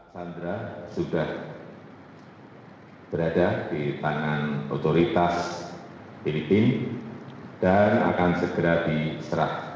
sandra sudah berada di tangan otoritas filipina dan akan segera diserah